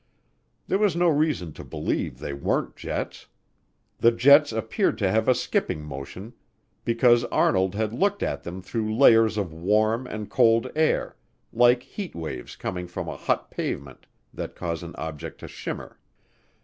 There was no reason to believe they weren't jets. The jets appeared to have a skipping motion because Arnold had looked at them through layers of warm and cold air, like heat waves coming from a hot pavement that cause an object to shimmer.